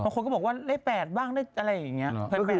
บางคนก็บอกว่าได้๘บ้างได้อะไรอย่างเงี้ย